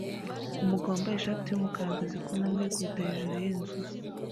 Umugabo wambaye ishati yumukara ahagaze kuntambwe yikubita hejuru yinzu